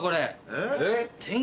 えっ？